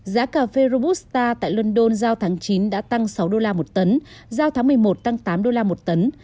giá cà phê robusta tại london giao tháng chín đã tăng sáu đô la một tấn giao tháng một mươi một tăng tám đô la một tấn